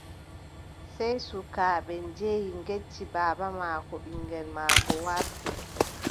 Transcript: Sey sukaaɓe njehi ngecci baaba maako ɓiŋngel maako warti.